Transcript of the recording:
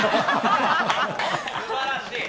すばらしい。